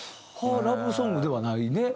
ラブソングではないね。